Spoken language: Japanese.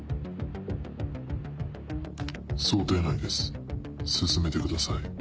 想定内です進めてください。